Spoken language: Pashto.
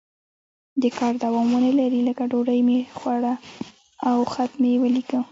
د کار دوام ونه لري لکه ډوډۍ مې وخوړه او خط مې ولیکه.